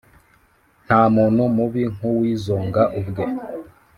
Nta muntu mubi nk’uwizonga ubwe,